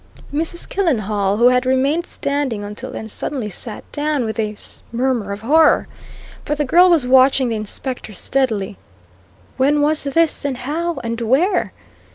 Mrs. Killenhall, who had remained standing until then, suddenly sat down, with a murmur of horror. But the girl was watching the inspector steadily. "When was this? and how, and where?"